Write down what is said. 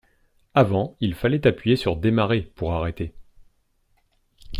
Avant il fallait appuyer sur démarrer pour arrêter.